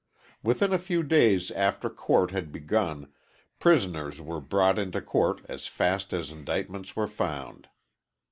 Within a few days after court had begun, prisoners were brought into court as fast as indictments were found.